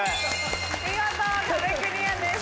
見事壁クリアです。